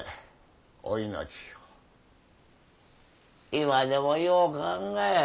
今でもよう考える。